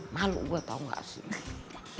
malu gua tau ga sih